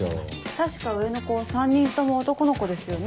確か上の子３人とも男の子ですよね。